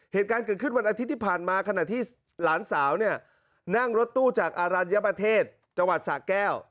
เหตุการณ์เกิดขึ้นวันอาทิตย์ที่ผ่านมาขณะที่หลานสาวเนี่ยนั่งรถตู้จากอรัญญประเทศจังหวัดสะแก้ว